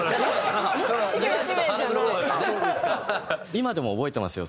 今でも覚えてますよ。